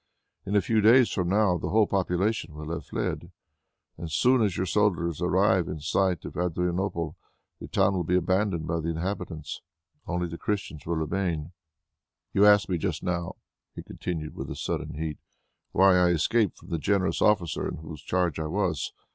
In a few days from now the whole population will have fled, and soon as your soldiers arrive in sight of Adrianople, the town will be abandoned by the inhabitants. Only the Christians will remain. "You asked me just now," he continued with a sudden heat, "why I escaped from the generous officer in whose charge I was.